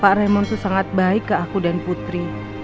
pak raymond tuh sangat baik ke aku dan putri